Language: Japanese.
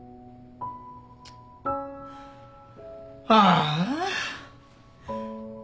ああ。